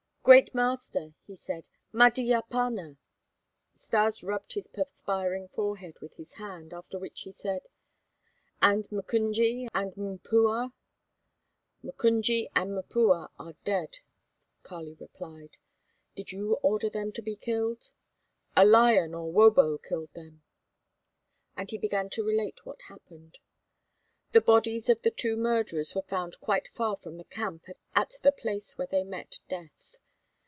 "Great Master," he said, "madi apana!" Stas rubbed his perspiring forehead with his hand; after which he said: "And M'Kunje and M'Pua?" "M'Kunje and M'Pua are dead," Kali replied. "Did you order them to be killed?" "A lion or 'wobo' killed them." And he began to relate what happened. The bodies of the two murderers were found quite far from the camp at the place where they met death.